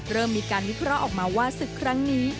เริ่มมีการวิเคราะห์ออกมาว่าศึกครั้งนี้